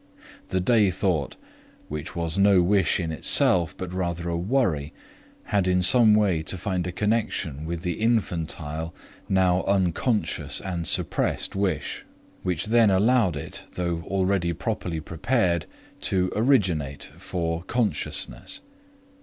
The day thought, which was no wish in itself but rather a worry, had in some way to find a connection with the infantile now unconscious and suppressed wish, which then allowed it, though already properly prepared, to "originate" for consciousness.